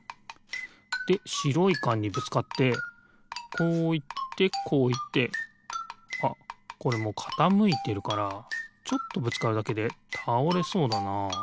でしろいかんにぶつかってこういってこういってあっこれもうかたむいてるからちょっとぶつかるだけでたおれそうだな。